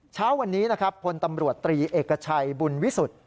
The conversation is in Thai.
เช้าวันนี้พตำรวจตรีเอกชัยบุญวิสุธิ์